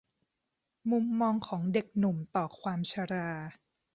มุมมองของเด็กหนุ่มต่อความชรา